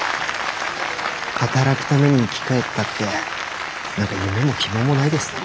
働くために生き返ったって何か夢も希望もないですね。